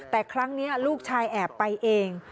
แต่ครั้งนี้ลูกชายแอบไปเอง